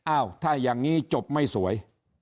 อ้าวถ้าอย่างนี้จบไม่สวย